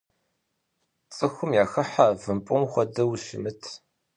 Цӏыхум яхыхьэ, вымпӏум хуэдэу ущымыт.